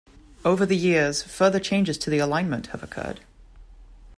Over the years further changes to the alignment have occurred.